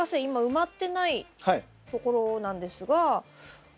今埋まってないところなんですが。